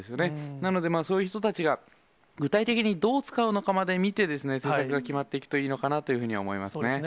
なので、そういう人たちが具体的にどう使うのかまで見てですね、政策が決まっていくといいのかなというふうには思いますね。